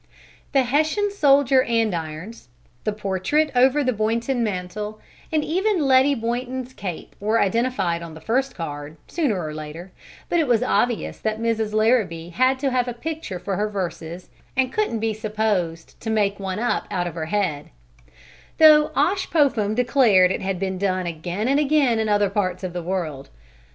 The Hessian soldier andirons, the portrait over the Boynton mantel, and even Letty Boynton's cape were identified on the first card, sooner or later, but it was obvious that Mrs. Larrabee had to have a picture for her verses and couldn't be supposed to make one up "out of her head"; though Osh Popham declared it had been done again and again in other parts of the world.